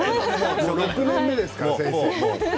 今６年目ですから先生。